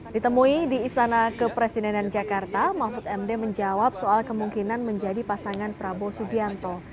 ditemui di istana kepresidenan jakarta mahfud md menjawab soal kemungkinan menjadi pasangan prabowo subianto